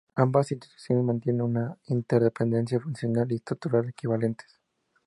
Ambas Instituciones mantienen una interdependencia funcional y estructural equivalentes.